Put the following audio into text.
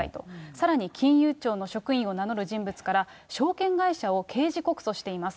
さらに金融庁の職員を名乗る人物から、証券会社を刑事告訴しています。